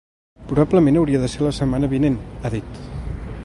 Probablement hauria de ser la setmana vinent, ha dit.